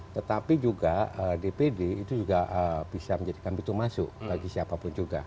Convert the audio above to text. tetapi juga dpd itu juga bisa menjadikan pintu masuk bagi siapapun juga